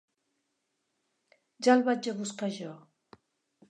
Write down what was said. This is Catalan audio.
Ja el vaig a buscar jo.